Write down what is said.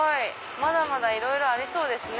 まだまだいろいろありそうですね